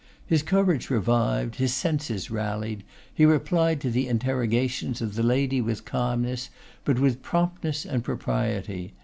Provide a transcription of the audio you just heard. His courage revived, his senses rallied, he replied to the interrogations of the lady with calmness, but with promptness and propriety.